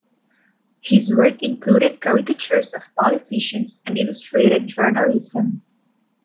His work included caricatures of politicians and illustrated journalism.